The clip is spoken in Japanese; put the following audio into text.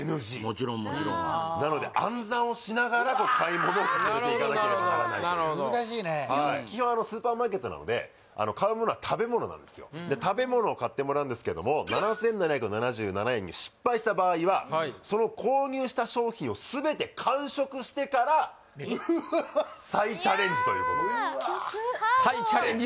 もちろんもちろんなので暗算をしながら買い物を進めていかなければならないというはい基本スーパーマーケットなので買う物は食べ物なんですよで食べ物を買ってもらうんですけども７７７７円に失敗した場合はその購入した商品を全て完食してからうーわっ再チャレンジということで再チャレンジ